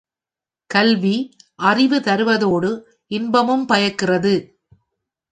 கல்வி அறிவு தருவதோடு இன்பமும் பயக்கிறது.